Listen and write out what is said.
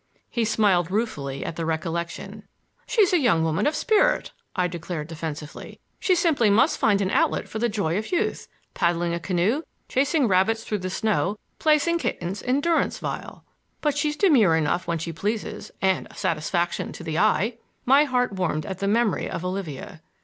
He smiled ruefully at the recollection. "She's a young woman of spirit," I declared defensively. "She simply must find an outlet for the joy of youth,—paddling a canoe, chasing rabbits through the snow, placing kittens in durance vile. But she's demure enough when she pleases,—and a satisfaction to the eye." My heart warmed at the memory of Olivia.